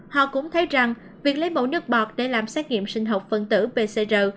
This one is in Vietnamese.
họ cũng thấy rằng việc lấy mẫu nước bọt để làm xét nghiệm sinh học phân tử pcr